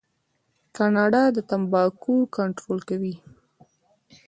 کاناډا د تمباکو کنټرول کوي.